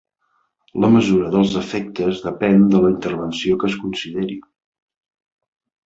La mesura dels efectes depèn de la intervenció que es consideri.